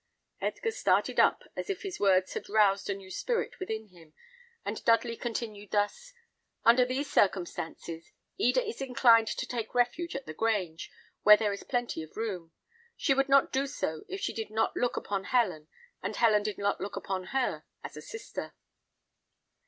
Edgar started up as if his words had roused a new spirit within him, and Dudley continued thus: "Under these circumstances, Eda is inclined to take refuge at the Grange, where there is plenty of room. She would not do so if she did not look upon Helen, and Helen did not look upon her, as a sister."